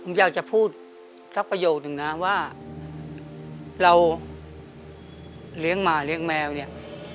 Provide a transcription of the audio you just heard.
ผมอยากจะพูดสักประโยคนึงนะว่าเราเลี้ยงหมาเลี้ยงแมวเนี่ย